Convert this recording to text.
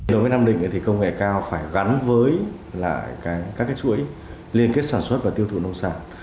đối với nam định thì công nghệ cao phải gắn với lại các chuỗi liên kết sản xuất và tiêu thụ nông sản